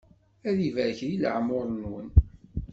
Ad ibarek di leεmuṛ-nwen!